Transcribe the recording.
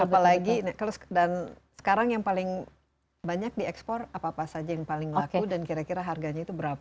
apalagi dan sekarang yang paling banyak diekspor apa apa saja yang paling laku dan kira kira harganya itu berapa